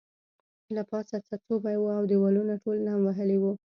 له پاسه څڅوبی وو او دیوالونه ټول نم وهلي وو